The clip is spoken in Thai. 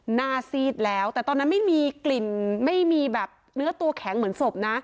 ซีดแล้วแต่ตอนนั้นไม่มีกลิ่นไม่มีแบบเนื้อตัวแข็งเหมือนศพนะ